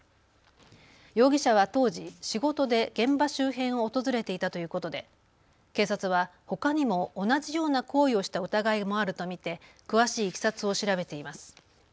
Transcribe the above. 容疑者は当時、仕事で現場周辺を訪れていたということで警察はほかにも同じような行為をした疑いもあると見て詳しいいきさつを調べています。